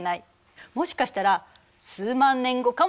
もしかしたら数万年後かもしれない。